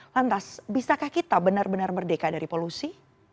lantas bisakah kita benar benar merdeka dari polusi